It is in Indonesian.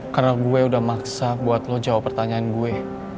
karena gue udah maksa buat lo jawab pertanyaan gue